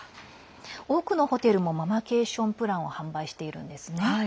多くのホテルもママケーションプランを販売しています。